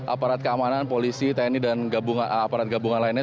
aparat keamanan polisi tni dan aparat gabungan lainnya